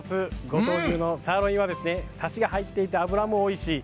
「五島牛のサーロイン」はサシも入っていて脂もおいしい。